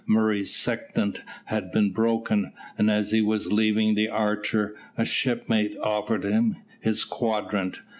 Murray's sextant had been broken, and as he was leaving the Archer, a shipmate offered him his quadrant.